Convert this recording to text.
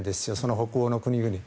北欧の国々に。